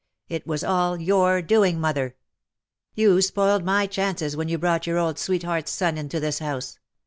It was all your doing, mother. You spoiled my 90 BUT HERE IS ONE WHO chances when you brought your old sweetheart^s son into this house.